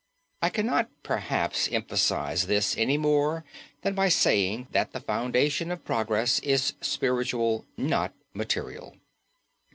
I cannot perhaps emphasize this any more than by saying that the foundation of progress is spiritual, not material.